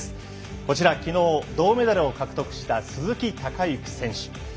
こちらきのう銅メダルを獲得した鈴木孝幸選手。